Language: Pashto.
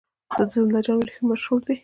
د زنده جان وریښم مشهور دي